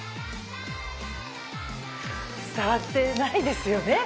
伝わってないですよね？